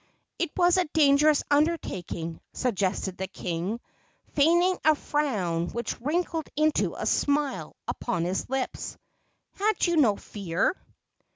"It was a dangerous undertaking," suggested the king, feigning a frown which wrinkled into a smile upon his lips; "had you no fear?"